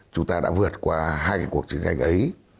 chúng ta đã vượt qua hai cái cuộc chiến tranh ấy